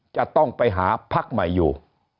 จะต้องไปหาพักใหม่อยู่